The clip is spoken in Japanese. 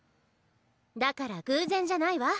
だから偶然じゃないわ。